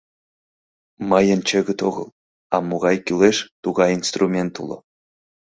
Мыйын чӧгыт огыл, а могай кӱлеш, тугай инструмент уло.